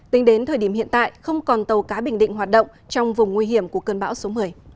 tính đến thời điểm hiện tại không còn tàu cá bình định hoạt động trong vùng nguy hiểm của cơn bão số một mươi